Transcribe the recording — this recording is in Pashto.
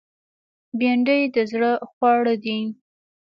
بېنډۍ د زړه خواړه دي